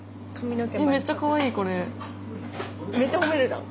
めっちゃ褒めるじゃん。